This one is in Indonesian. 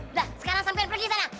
udah sekarang sampai pergi sana